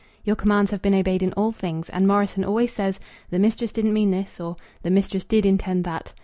Your commands have been obeyed in all things, and Morrison always says "The mistress didn't mean this," or "The mistress did intend that."